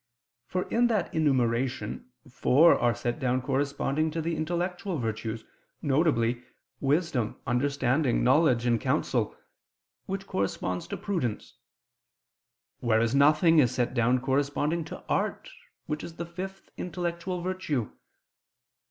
For in that enumeration four are set down corresponding to the intellectual virtues, viz. wisdom, understanding, knowledge, and counsel, which corresponds to prudence; whereas nothing is set down corresponding to art, which is the fifth intellectual virtue.